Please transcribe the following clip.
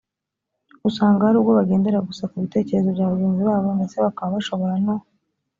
usanga hari ubwo bagendera gusa ku bitekerezo bya bagenzi babo ndetse bakaba bashobora no